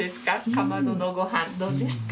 かまどのごはんどうですか？